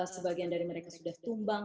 sebagian dari mereka sudah tumbang